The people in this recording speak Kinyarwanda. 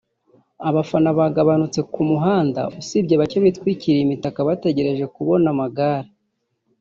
abafana bagabanutse ku muhanda usibye bake bitwikiriye imitaka bategereje kubona amagare